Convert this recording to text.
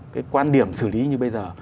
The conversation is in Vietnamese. cái quan điểm xử lý như bây giờ